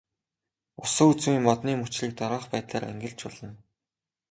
Усан үзмийн модны мөчрийг дараах байдлаар ангилж болно.